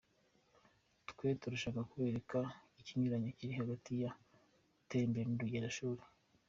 Twe turashaka kubereka ikinyuranyo kiri hagati yo gutembera n’urugendo shuri.